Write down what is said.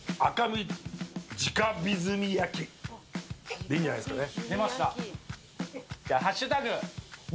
で、いいんじゃないですかね。